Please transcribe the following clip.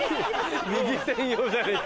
右専用じゃねえか。